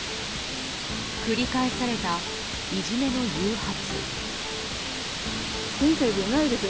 繰り返された、いじめの誘発。